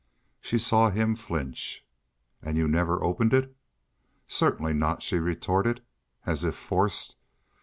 She saw him flinch. "And you never opened it?" "Certainly not," she retorted, as if forced.